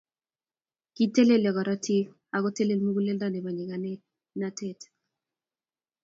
kitelelyo korotik ak kotelel muguleldo nebo nyikanatet